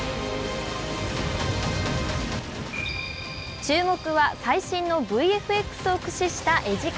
注目は最新のＶＦＸを駆使した画力。